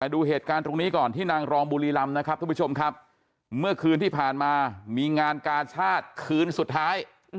ดูเหตุการณ์ตรงนี้ก่อนที่นางรองบุรีรำนะครับทุกผู้ชมครับเมื่อคืนที่ผ่านมามีงานกาชาติคืนสุดท้าย